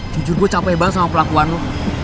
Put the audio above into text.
jujur gue capek banget sama pelakuan lo